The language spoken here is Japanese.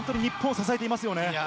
支えています。